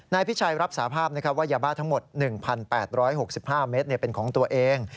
นายพิชัยรับสาภาพว่ายาบ้าทั้งหมด๑๘๖๕เมตรเป็นของตัวเอง